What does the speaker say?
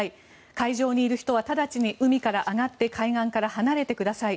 海上にいる人は直ちに海から上がって海岸から離れてください。